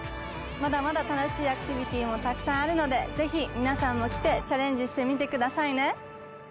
まだまだ楽しいアクティビティもたくさんあるのでぜひ皆さんも来てチャレンジしてみてくださいね。